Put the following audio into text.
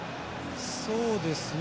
そうですね。